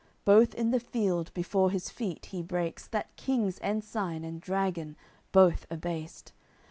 Both in the field before his feet he breaks That king's ensign and dragon, both abased.